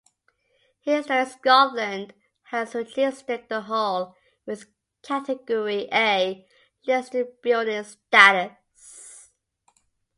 Historic Scotland has registered the Hall with Category A listed building status.